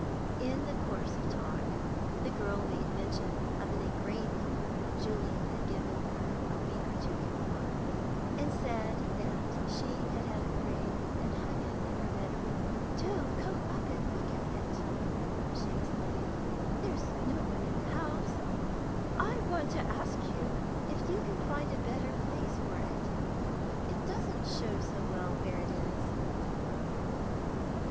In the course of talk, the girl made mention of an engraving Julian had given her a week or two before, and said that she had had it framed and hung it in her bed room. "Do come up and look at it," she exclaimed; "there's no one in the house. I want to ask you if you can find a better place for it. It doesn't show so well where it is."